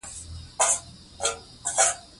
چار مغز د افغانانو د ژوند طرز په پوره توګه اغېزمنوي.